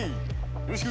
よろしく！